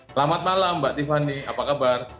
selamat malam mbak tiffany apa kabar